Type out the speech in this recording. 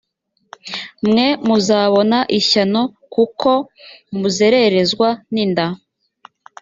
mwe muzabona ishyano kuko muzererezwa ninda